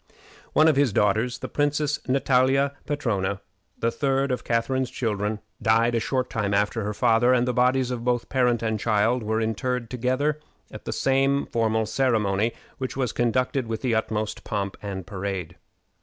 One of his daughters, the Princess Natalia Petrowna, the third of Catharine's children, died a short time after her father, and the bodies of both parent and child were interred together at the same funeral ceremony, which was conducted with the utmost possible pomp and parade.